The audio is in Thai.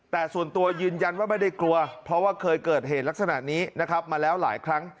แต่ส่วนตัวยืนยันว่าไม่ได้กลัวเพราะว่าเคยเกิดเหตุลักษณะนี้นะครับมาแล้วหลายครั้ง